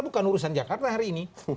bukan urusan jakarta hari ini